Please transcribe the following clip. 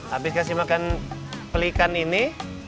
habis kasih makan pelikan ini